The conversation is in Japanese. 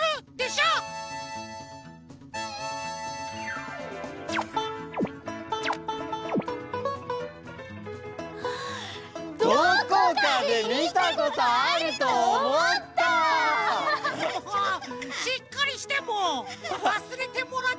しっかりしてもう！